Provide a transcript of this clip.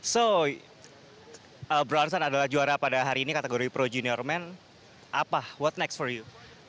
so bronson adalah juara pada hari ini kategori pro junior men apa what next for you